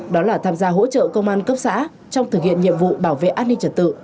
đó là tham gia hỗ trợ công an cấp xã trong thực hiện nhiệm vụ bảo vệ an ninh trật tự